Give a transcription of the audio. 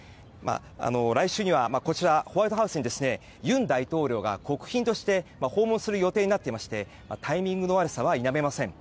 来週にはホワイトハウスに尹大統領が国賓として訪問する予定となっていましてタイミングの悪さは否めません。